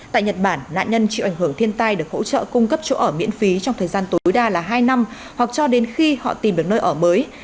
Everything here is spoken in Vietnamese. tại nhật bản nạn nhân chịu ảnh hưởng thiên tai được hỗ trợ cung cấp chỗ ở miễn phí trong thời gian tối đa là hai năm hoặc cho đến khi họ tìm được nơi ở mới